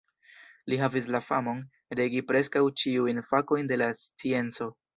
Li havis la famon, regi preskaŭ ĉiujn fakojn de la scienco.